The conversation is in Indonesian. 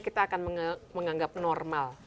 kita akan menganggap normal